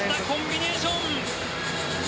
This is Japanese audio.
コンビネーション！